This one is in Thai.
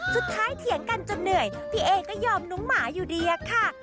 สุดท้ายเทียงกันจนเหนื่อยพี่เอก็ยอมหนุงหมาอยู่เรียกค่ะ